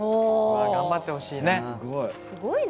頑張ってほしいね。